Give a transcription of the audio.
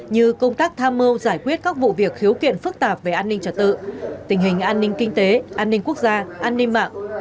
như công tác tham mưu giải quyết các vụ việc khiếu kiện phức tạp về an ninh trật tự tình hình an ninh kinh tế an ninh quốc gia an ninh mạng